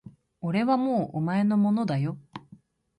俺はもうお前のものだよ